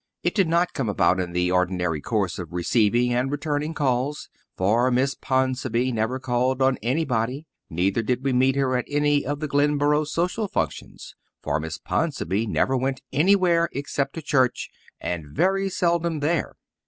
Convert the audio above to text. It did not come about in the ordinary course of receiving and returning calls, for Miss Ponsonby never called on anybody; neither did we meet her at any of the Glenboro social functions, for Miss Ponsonby never went anywhere except to church, and very seldom there.